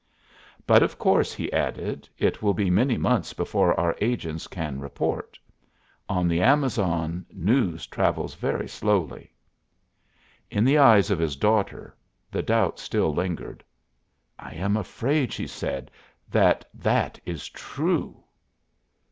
"But, of course," he added, "it will be many months before our agents can report. On the Amazon news travels very slowly." In the eyes of his daughter the doubt still lingered. "I am afraid," she said, "that that is true."